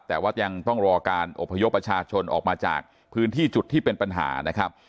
แต่ว่ายังต้องรอการอบพยพประชาชนออกมาจากพื้นที่จุดที่เป็นปัญหานะครับ